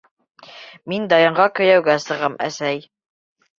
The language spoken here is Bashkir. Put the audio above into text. Мин Даянға кейәүгә сығам, әсәй.